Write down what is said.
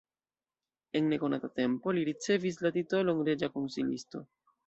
En nekonata tempo li ricevis la titolon reĝa konsilisto.